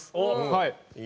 はい。